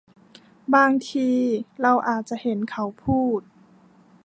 บางที เราอาจจะเห็นเขาพูด